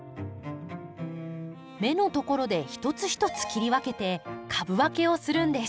芽のところで一つ一つ切り分けて株分けをするんです。